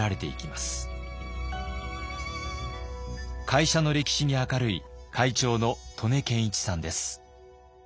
会社の歴史に明るい会長の刀根健一さんです。